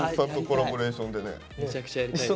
めちゃくちゃやりたいです。